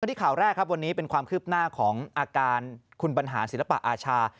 ที่ข่าวแรกครับวันนี้เป็นความคืบหน้าของอาการคุณบรรหารศิลปะอาชา